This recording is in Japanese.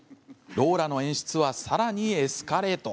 ローラの演出はさらにエスカレート。